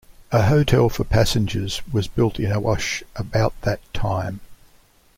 A hotel for passengers was built in Awash about that time.